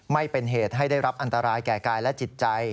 ไม่เป็นเหตุให้ได้รับอันตรายแก่กายและจิตใจ